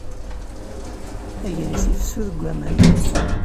Agris ifessu deg waman.